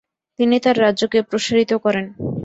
তিনি তার রাজ্যকে প্রসারিত করেন।